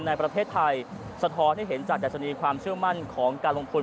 ในประเทศไทยสะท้อนให้เห็นจากดัชนีความเชื่อมั่นของการลงทุน